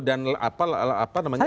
dan apa namanya